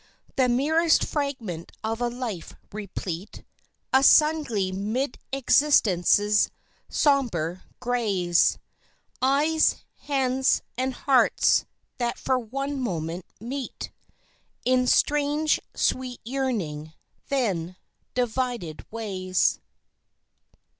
The merest fragment of a life replete, A sun gleam 'mid existence's sombre grays, Eyes, hands and hearts that for one moment meet In strange, sweet yearning ... then divided ways.